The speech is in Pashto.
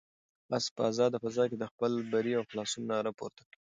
آس په آزاده فضا کې د خپل بري او خلاصون ناره پورته کړه.